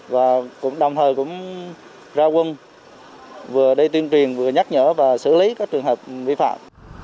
và đồng thời cũng ra quân vừa đây tuyên truyền vừa nhắc nhở và xử lý các trường hợp bị phạt